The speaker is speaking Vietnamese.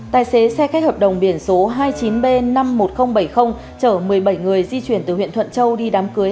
tài xế xe khách hợp đồng biển số hai mươi chín b năm mươi một nghìn bảy mươi chở một mươi bảy người di chuyển từ huyện thuận châu đi đám cưới